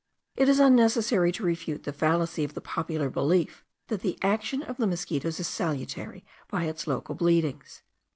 It is unnecessary to refute the fallacy of the popular belief that the action of the mosquitos is salutary by its local bleedings.